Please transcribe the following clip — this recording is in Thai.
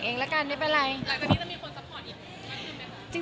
แต่แต่งนี้จะมีคนคุมเฉินคุมอีกนะครับ